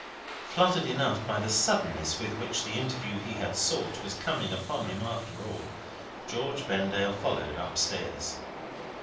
Fluttered enough by the suddenness with which the interview he had sought was coming upon him after all, George Vendale followed up stairs.